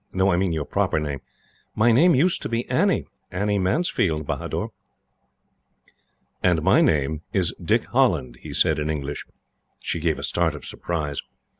"No; I mean your proper name?" "My name used to be Annie Annie Mansfield, Bahador." "And my name is Dick Holland," he said, in English. She gave a start of surprise.